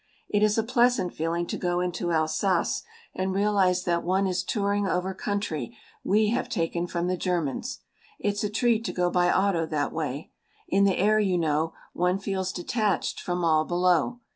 It is a pleasant feeling to go into Alsace and realize that one is touring over country we have taken from the Germans. It's a treat to go by auto that way. In the air, you know, one feels detached from all below.